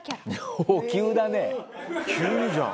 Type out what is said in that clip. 急にじゃん。